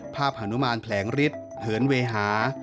หานุมานแผลงฤทธิ์เหินเวหา